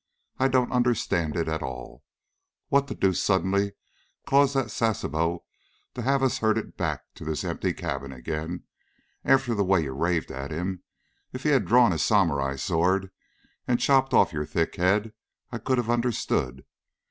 I don't understand it at all. What the deuce suddenly caused that Sasebo to have us herded back to this empty cabin again? After the way you raved at him, if he had drawn his samurai sword and chopped off your thick head, I could have understood.